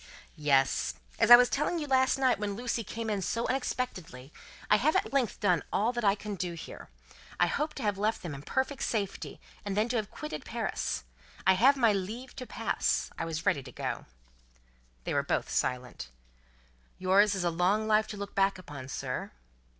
"Yes. As I was telling you last night when Lucie came in so unexpectedly, I have at length done all that I can do here. I hoped to have left them in perfect safety, and then to have quitted Paris. I have my Leave to Pass. I was ready to go." They were both silent. "Yours is a long life to look back upon, sir?"